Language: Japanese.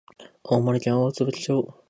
青森県大鰐町